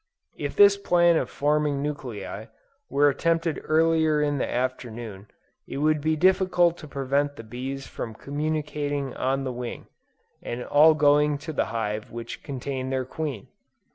If this plan of forming nuclei, were attempted earlier in the afternoon it would be difficult to prevent the bees from communicating on the wing, and all going to the hive which contained their queen.